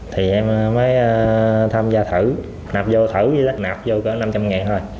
thì em mới tham gia thử nạp vô thử như thế nạp vô khoảng năm trăm linh nghìn thôi